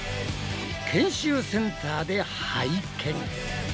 研修センターで拝見。